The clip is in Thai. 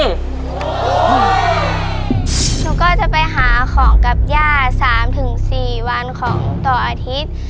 หนูก็จะไปหาของกับย่า๓๔วันของต่ออาทิตย์